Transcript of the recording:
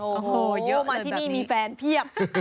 โอ้โหเยอะมาที่นี่มีแฟนเพียบ